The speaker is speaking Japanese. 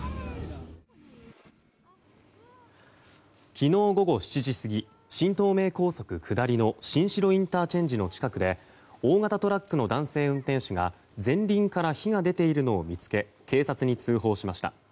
昨日午後７時過ぎ新東名高速下りの新城ＩＣの近くで大型トラックの男性運転手が前輪から火が出ているのを見つけ警察に通報しました。